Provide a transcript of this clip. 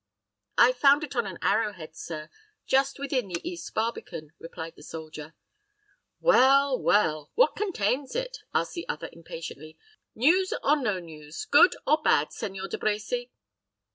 "I found it on an arrow head, sir, just within the east barbican," replied the soldier. "Well, well. What contains it?" asked the other, impatiently. "News, or no news, good or bad, Seigneur De Brecy?"